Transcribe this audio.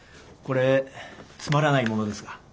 これつまらないものですが。